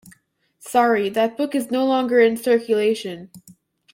Sorry, that book is no longer in circulation.